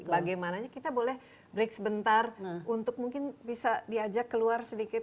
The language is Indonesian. bagaimana kita boleh break sebentar untuk mungkin bisa diajak keluar sedikit